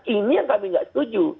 ini yang kami nggak setuju